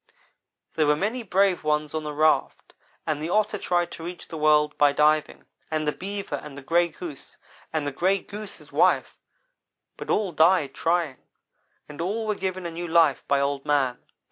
"There were many brave ones on the raft, and the Otter tried to reach the world by diving; and the Beaver, and the Gray Goose, and the Gray Goose's wife; but all died in trying, and all were given a new life by Old man.